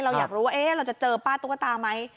เราอยากรู้ว่าเราจะเจอป้าตุ๊กตาไหม